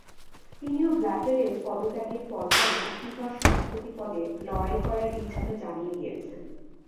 তিনিও ব্ল্যাটারের পদত্যাগের পরপরই ফিফার সভাপতি পদে লড়াই করার ইচ্ছাটা জানিয়ে দিয়েছেন।